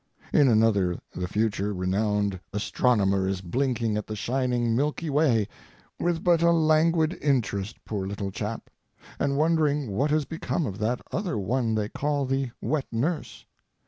In another the future renowned astronomer is blinking at the shining Milky Way with but a languid interest poor little chap!—and wondering what has become of that other one they call the wet nurse.